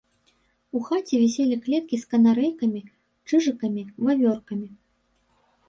У хаце віселі клеткі з канарэйкамі, чыжыкамі, вавёркамі.